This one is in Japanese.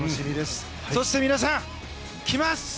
そして皆さん、来ます！